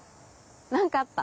何かあった？